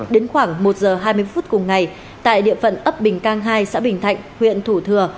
đến khoảng một giờ hai mươi phút cùng ngày tại địa phận ấp bình cang hai xã bình thạnh huyện thủ thừa